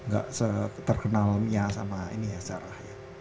gak terkenalnya sama ini ya sarah ya